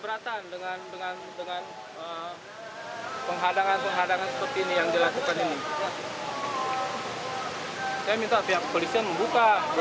apa sih yang kita lakukan